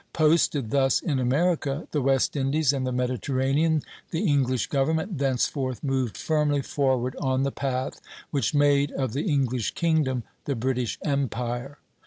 Posted thus in America, the West Indies, and the Mediterranean, the English government thenceforth moved firmly forward on the path which made of the English kingdom the British Empire.